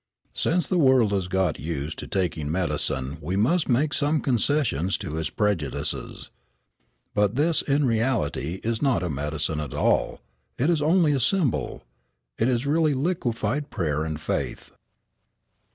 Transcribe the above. Since the world has got used to taking medicine we must make some concessions to its prejudices. But this in reality is not a medicine at all. It is only a symbol. It is really liquefied prayer and faith."